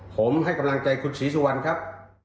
ผมให้กำลังใจคุณศรีสุวรรณครับ